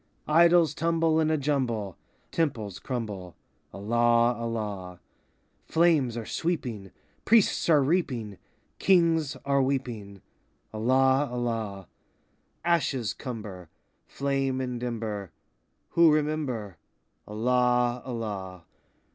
94 Idols tumble In a jumble, Temples crumble,—• Allah, Allah! Flames are sweeping ; Priests are reaping; Kings are weeping,—• Allah, Allah! Ashes cumber Flame and ember, Who remember— Allah, Allah!